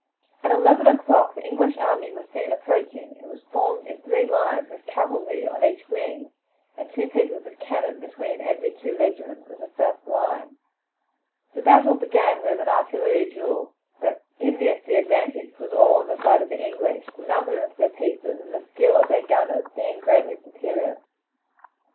At eleven o'clock the English army was seen approaching. It was formed in three lines, with cavalry on each wing, and two pieces of cannon between every two regiments of the first line. The battle began with an artillery duel, but in this the advantage was all on the side of the English, the number of their pieces and the skill of their gunners being greatly superior.